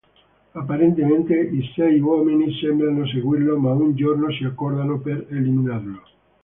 Apparentemente i sei uomini sembrano seguirlo ma un giorno si accordano per eliminarlo.